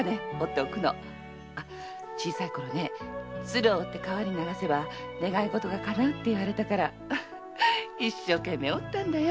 小さいころ鶴を折って川に流せば願いごとが叶うっていわれたから一生懸命折ったんだよ。